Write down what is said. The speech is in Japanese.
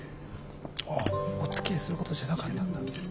ああおつきあいするほどじゃなかったんだ。